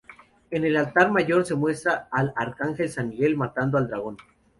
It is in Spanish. En el Altar mayor se muestra al arcángel San Miguel matando al dragón.